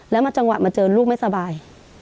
แล้วมาจังหวะมาเจอลูกไม่สบาย